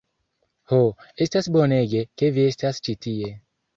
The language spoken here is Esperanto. "Ho, estas bonege ke vi estas ĉi tie.